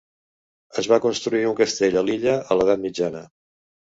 Es va construir un castell a l"illa a l"Edat Mitjana.